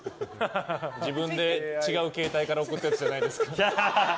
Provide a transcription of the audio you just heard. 自分で違う携帯から送ってるやつじゃないですか？